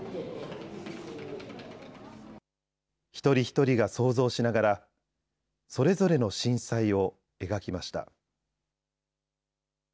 一人一人が想像しながら、それぞれの震災を描きました。